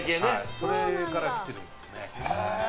それから来てるんですね。